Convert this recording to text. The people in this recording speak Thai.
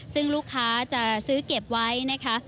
ซึ่งลูกค้าจะซื้อเก็บไว้นะคะ